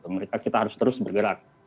mereka kita harus terus bergerak